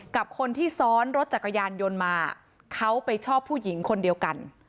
กับคนที่ซ้อนรถจักรยานยนต์มาเขาไปชอบผู้หญิงคนเดียวกัน